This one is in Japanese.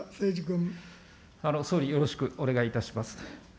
総理、よろしくお願いいたします。